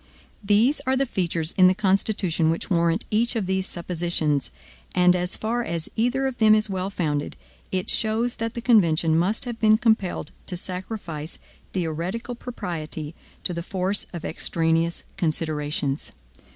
There are features in the Constitution which warrant each of these suppositions; and as far as either of them is well founded, it shows that the convention must have been compelled to sacrifice theoretical propriety to the force of extraneous considerations.